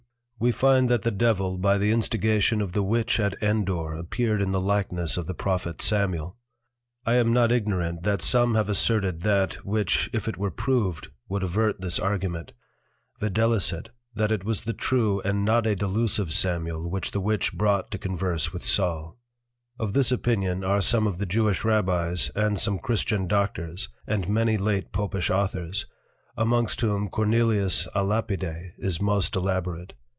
We find that the Devil by the Instigation of the Witch at Endor appeared in the Likeness of the Prophet Samuel. I am not ignorant that some have asserted that, which, if it were proved, would evert this Argument, viz. that it was the true and not a delusive Samuel which the Witch brought to converse with Saul. Of this Opinion are some of the Jewish Rabbies and some Christian Doctors and many late Popish Authors amongst whom Cornel. a Lapide is most elaborate.